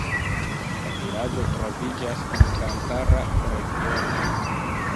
La vilaĝo troviĝas en kampara regiono.